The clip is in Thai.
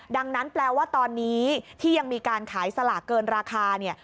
ดังนั้นแปลว่าตอนนี้ที่ยังมีการขายสลากเกินราคาเนี่ย